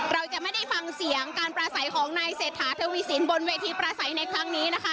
เราจะไม่ได้ฟังเสียงการประสัยของนายเศรษฐาทวีสินบนเวทีประสัยในครั้งนี้นะคะ